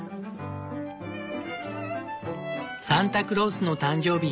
サンタクロースの誕生日。